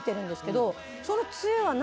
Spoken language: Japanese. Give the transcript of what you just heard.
その。